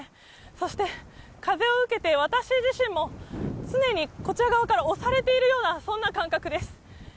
そして風を受けて、私自身も、常にこちら側から押されているような、そんな感覚です。